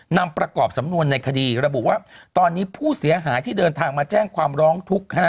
นำประกอบสำนวนในคดีระบุว่าตอนนี้ผู้เสียหายที่เดินทางมาแจ้งความร้องทุกข์